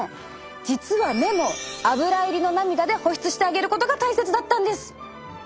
実は目もアブラ入りの涙で保湿してあげることが大切だったんです。